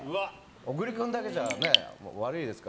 小栗君だけじゃ、悪いですから。